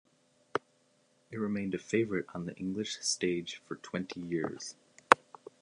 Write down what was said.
It remained a favourite on the English stage for twenty years.